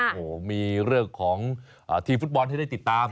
โอ้โหมีเรื่องของทีมฟุตบอลให้ได้ติดตาม